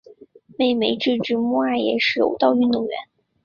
妹妹志志目爱也是柔道运动员。